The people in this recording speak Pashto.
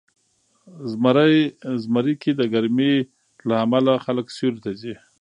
زمری کې د ګرمۍ له امله خلک سیوري ته ځي.